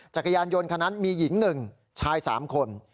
จักรยานยนต์คันนั้นมีหญิง๑ชาย๓คน